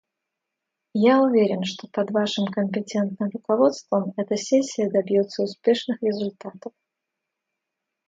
Я уверен, что под Вашим компетентным руководством эта сессия добьется успешных результатов.